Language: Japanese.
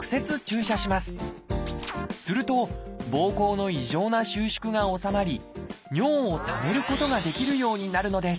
するとぼうこうの異常な収縮が収まり尿をためることができるようになるのです。